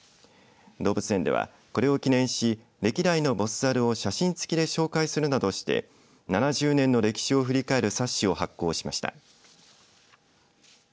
動物園ではこれを記念し歴代のボス猿を写真付きで紹介するなどして７０年の歴史を振り返る冊子を発行しました。